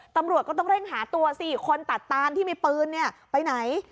ตำรวจก็ต้องเร่งหาตัวสิคนตัดตานที่มีปืนเนี่ยไปไหน